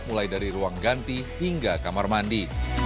mulai dari ruang ganti hingga kamar mandi